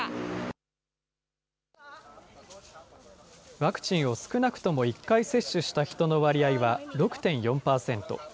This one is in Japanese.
ワクチンを少なくとも１回接種した人の割合は６．４％。